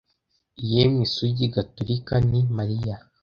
yemwe isugi gatolika ni mariya